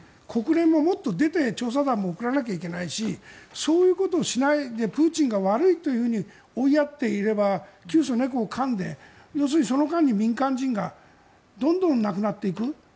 国連ももっと出て調査団も送らないといけないしそういうことをしないでプーチンが悪いというふうに追いやっていれば窮鼠猫をかんで、その間に民間人がどんどん亡くなっていく。